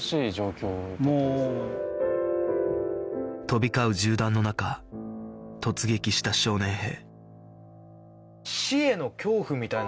飛び交う銃弾の中突撃した少年兵